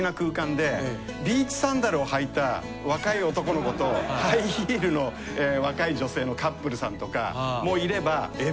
ビーチサンダルを履いた若い男の子とハイヒールの若い女性のカップルさんとかもいれば。